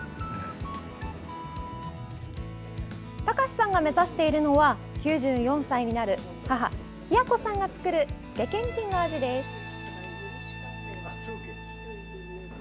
孝さんが目指しているのは９４歳になる母・ひや子さんが作る、つけけんちんの味です。